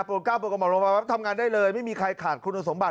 โปรดก้าวประมาณลงมาทำงานได้เลยไม่มีใครขาดคุณสมบัติ